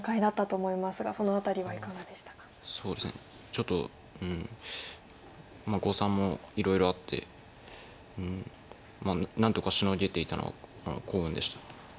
ちょっと誤算もいろいろあって何とかシノげていたのが幸運でした。